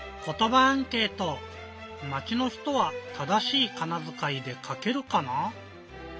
まちの人は正しいかなづかいでかけるかな？